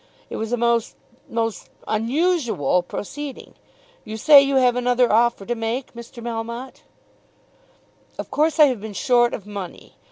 It was a most, most unusual proceeding. You say you have another offer to make, Mr. Melmotte." "Of course I have been short of money.